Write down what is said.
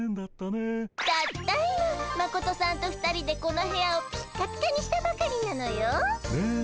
たった今マコトさんと２人でこの部屋をピッカピカにしたばかりなのよ。ね。